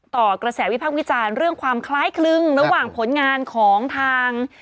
ต่อกระแสวิพักษ์วิจารณ์เรื่องความคล้ายคลึงระหว่างผลงานของทาง